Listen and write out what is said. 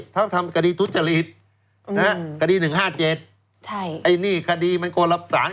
ถ้าทำคดีทุธจริตคดี๑๕๗ไอ้นี่คดีมันโกลับศาน๒๘๘